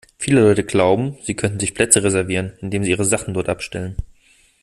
Viele Leute glauben, sie könnten sich Plätze reservieren, indem sie ihre Sachen dort abstellen.